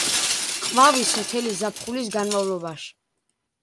ყვავის მთელი ზაფხულის განმავლობაში.